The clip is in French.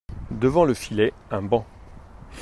Devant le filet, un banc.